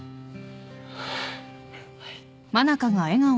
はい。